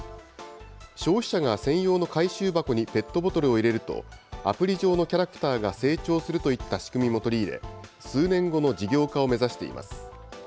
消費者が専用の回収箱にペットボトルを入れると、アプリ上のキャラクターが成長するといった仕組みも取り入れ、数年後の事業化を目指しています。